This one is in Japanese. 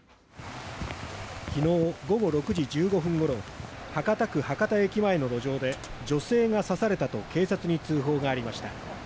昨日午後６時１５分ごろ博多区博多駅前の路上で女性が刺されたと警察に通報がありました。